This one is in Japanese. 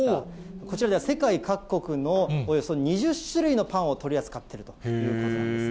こちらでは世界各国のおよそ２０種類のパンを取り扱っているということなんですね。